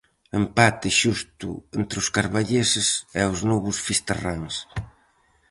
Empate xusto entre os carballeses e os novos fisterráns.